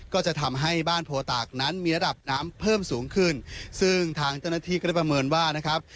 ก็จะทำให้บ้านโพตากนั้นมีระดับน้ำเพิ่มสูงขึ้นซึ่งทางเจ้าหน้าที่ก็ได้ประเมินว่านะครับ